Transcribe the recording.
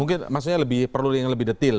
mungkin maksudnya lebih perlu yang lebih detail